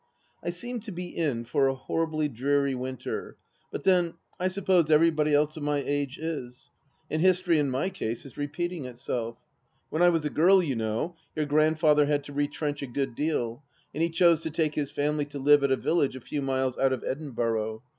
I seem to be in for a horribly dreary winter; but then, I suppose everybody else of my age is. And History in my case is repeating itself. When I was a girl, you know, your grandfather had to retrench a good deal, and he chose to take his family to live at a village a few miles out of Edinburgh.